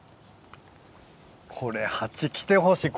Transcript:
これハチ来てほしい。